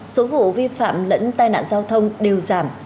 số vụ vi phạm lẫn tai nạn giao thông đều giảm